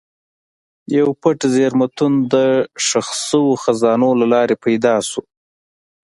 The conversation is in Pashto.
یو پټ زېرمتون د ښخ شوو خزانو له لارې پیدا شو.